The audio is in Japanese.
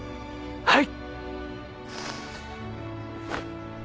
はい！